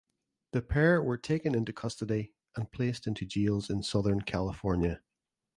The pair were taken into custody and placed into jails in Southern California.